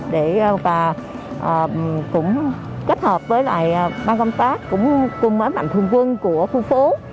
để bà cũng kết hợp với lại ban công tác cũng quân mến mạnh thường quân của khu phố